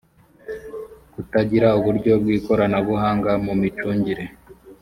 kutagira uburyo bw ikoranabuhanga mu micungire